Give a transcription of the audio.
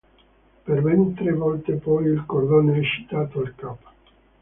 Per ben tre volte poi il cordone è citato al cap.